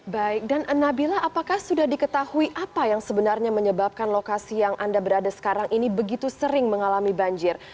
baik dan nabila apakah sudah diketahui apa yang sebenarnya menyebabkan lokasi yang anda berada sekarang ini begitu sering mengalami banjir